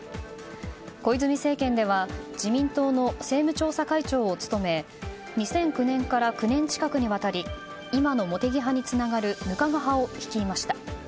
小泉政権では自民党の政務調査会長を務め２００９年から９年近くにわたり今の茂木派につながる額賀派を率いました。